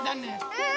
うん！